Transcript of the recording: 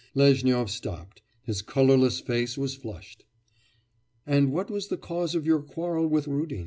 Lezhnyov stopped; his colourless face was flushed. 'And what was the cause of your quarrel with Rudin?